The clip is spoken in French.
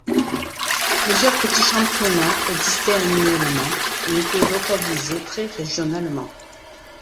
Plusieurs petits championnats existaient annuellement et étaient localisés très régionalement.